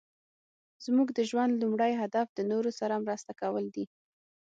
زموږ د ژوند لومړی هدف د نورو سره مرسته کول دي.